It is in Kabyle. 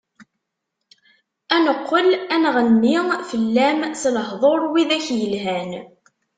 Ad neqqel ad nɣenni fell-am, s lehduṛ wid-ak yelhan.